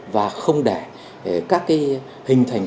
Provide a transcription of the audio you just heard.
và không để các cái hình thành